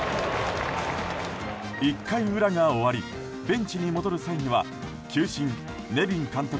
１回裏が終わりベンチに戻る際には球審、ネビン監督